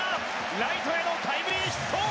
ライトへのタイムリーヒット。